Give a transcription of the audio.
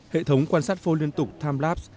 hệ thống quan sát phôi liên tục timelapse